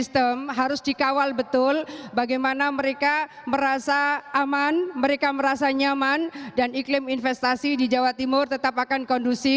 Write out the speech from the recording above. tetapi banyak yang tidak